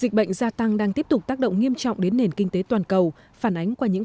dịch bệnh gia tăng đang tiếp tục tác động nghiêm trọng đến nền kinh tế toàn cầu phản ánh qua những